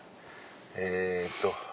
えっと。